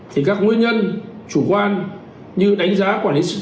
thì các nguyên nhân chủ quan như đánh giá quản lý sự thay đổi